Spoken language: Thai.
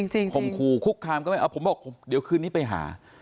ข่มขู่คุกคามก็ไม่เอาผมบอกเดี๋ยวคืนนี้ไปหา